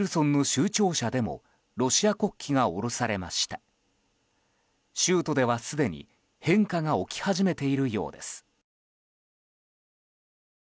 州都ではすでに変化が起き始めているようです。